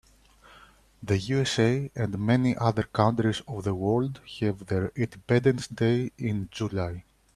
The USA and many other countries of the world have their independence day in July.